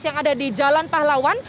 yang ada di jalan pahlawan